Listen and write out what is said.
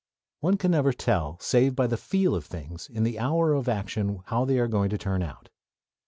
One never can tell save by the "feel" of things in the hour of action how they are going to turn out.